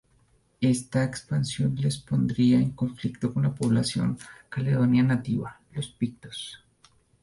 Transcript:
Esta expansión les pondría en conflicto con la población caledonia nativa, los pictos.